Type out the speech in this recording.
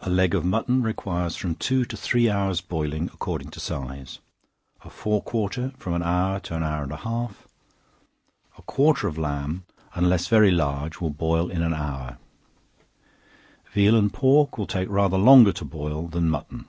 A leg of mutton requires from two to three hours boiling, according to the size; a fore quarter from an hour to an hour and a half; a quarter of lamb, unless, very large, will boil in an hour. Veal and pork will take rather longer to boil than mutton.